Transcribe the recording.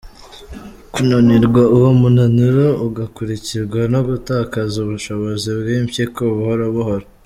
kunanirwa, uwo munaniro ugakurikirwa no gutakaza ubushobozi kw’impyiko buhoro buhoro.